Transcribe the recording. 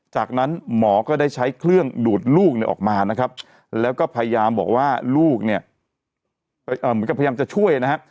จากนั้นหมอก็ได้ใช้เครื่องดูดลูกเนี่ยออกมานะครับแล้วก็พยายามบอกว่าลูกเนี่ยเหมือนกับพยายามจะช่วยนะฮะ